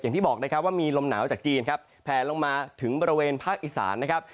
อย่างที่บอกนะครับว่ามีลมหนาวจากจีนครับแผลลงมาถึงบริเวณภาคอีสานนะครับ